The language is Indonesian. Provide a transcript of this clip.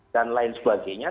dan lain sebagainya